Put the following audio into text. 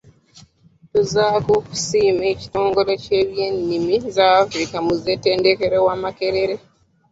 Tuzzaako okusiima ekitongole kye by'ennimi za Africa mu ssettendekero wa Makerere.